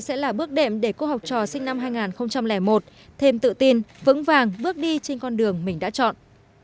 sẽ là bước đệm để cô học trò sinh năm hai nghìn một thêm tự tin vững vàng bước đi trên con đường mình đã chọn